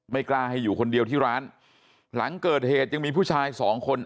ไม่กล้าให้อยู่คนเดียวที่ร้านหลังเกิดเหตุยังมีผู้ชายสองคน